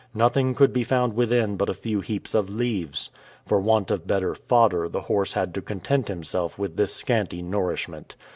Nothing could be found within but a few heaps of leaves. For want of better fodder the horse had to content himself with this scanty nourishment.